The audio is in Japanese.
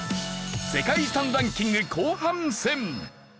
世界遺産ランキング後半戦。